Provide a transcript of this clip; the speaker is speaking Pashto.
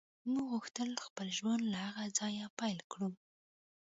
موږ غوښتل خپل ژوند له هغه ځایه پیل کړو